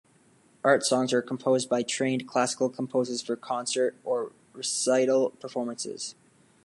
Art songs are composed by trained classical composers for concert or recital performances.